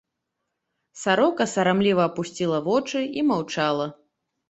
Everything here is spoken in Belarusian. Сарока сарамліва апусціла вочы і маўчала.